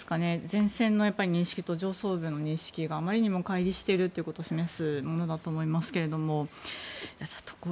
前線の認識と上層部の認識があまりにも乖離しているということを示すものだと思いますけれども。